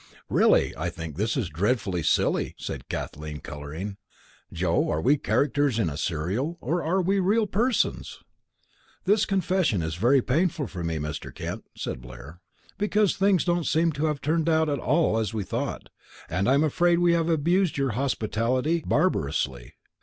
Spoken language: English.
"Really, I think this is dreadfully silly," said Kathleen, colouring. "Joe, are we characters in a serial, or are we real persons?" "This confession is very painful for me, Mr. Kent," said Blair, "because things don't seem to have turned out at all as we thought, and I'm afraid we have abused your hospitality barbarously.